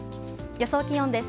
予想気温です。